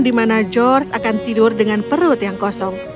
dari beberapa malam di mana george akan tidur dengan perut yang kosong